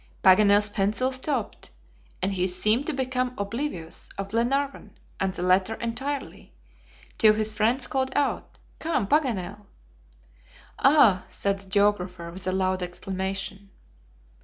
Paganel's pencil stopped, and he seemed to become oblivious of Glenarvan and the letter entirely, till his friends called out: "Come, Paganel!" "Ah!" said the geographer, with a loud exclamation.